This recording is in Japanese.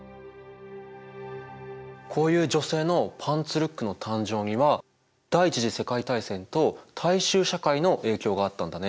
こういう女性のパンツルックの誕生には第一次世界大戦と大衆社会の影響があったんだね。